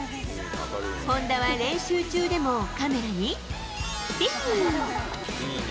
本多は練習中でもカメラにピース。